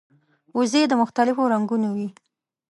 وزې د مختلفو رنګونو وي